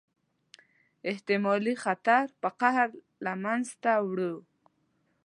احتمالي خطر په قهر له منځه ووړ.